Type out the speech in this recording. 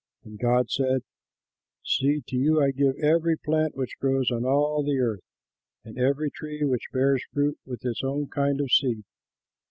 And God said, "See, to you I give every plant which grows on all the earth, and every tree which bears fruit with its own kind of seed.